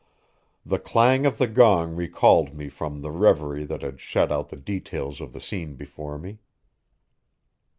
The clang of the gong recalled me from the reverie that had shut out the details of the scene before me.